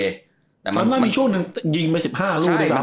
ซ้าวก็มีช่วงหนึ่งยิงไป๑๕รูปทั้ง๓